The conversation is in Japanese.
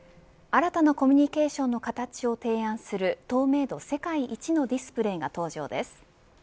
新たなコミュニケーションの形を提案する透明度世界一のディスプレーが登場です。